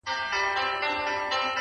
په اور دي وسوځم، په اور مي مه سوځوه.